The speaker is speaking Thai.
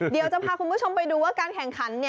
เดี๋ยวจะพาคุณผู้ชมไปดูว่าการแข่งขัน